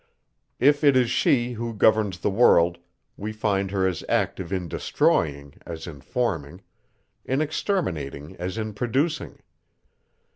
If it is she, who governs the world, we find her as active in destroying, as in forming; in exterminating, as in producing.